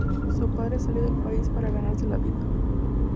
Su padre salió del país para ganarse la vida.